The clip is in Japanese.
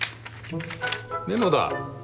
メモだ。